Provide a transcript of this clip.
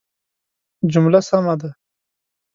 جمله سمه ده